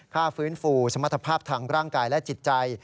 ฟื้นฟูสมรรถภาพทางร่างกายและจิตใจ